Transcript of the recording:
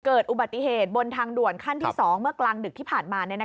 เกิดอุบัติเหตุบนทางด่วนขั้นที่๒เมื่อกลางดึกที่ผ่านมา